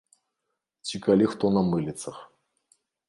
Ці калі хто на мыліцах.